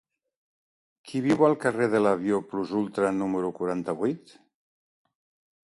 Qui viu al carrer de l'Avió Plus Ultra número quaranta-vuit?